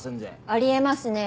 ありえますね。